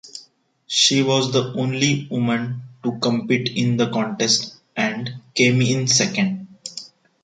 She was the only woman to compete in the contest and came in second.